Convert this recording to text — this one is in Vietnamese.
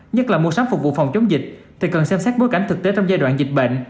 nhất là mua sắm phục vụ phòng chống dịch thì cần xem xét bối cảnh thực tế trong giai đoạn dịch bệnh